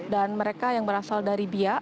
dan mereka yang berasal dari bia